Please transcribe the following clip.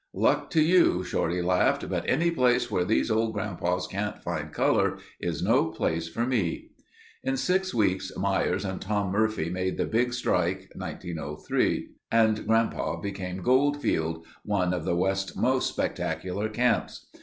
"Luck to you," Shorty laughed. "But any place where these old grandpas can't find color, is no place for me." In six weeks Myers and Tom Murphy made the big strike (1903) and Grandpa became Goldfield—one of the West's most spectacular camps.